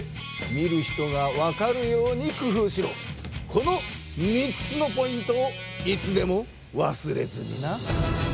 この３つのポイントをいつでもわすれずにな。